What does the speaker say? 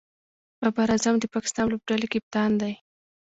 بابر اعظم د پاکستان لوبډلي کپتان دئ.